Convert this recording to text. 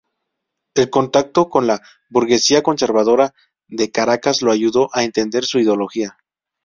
El contacto con la burguesía conservadora de Caracas lo ayudó a entender su ideología.